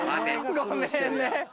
ごめんね。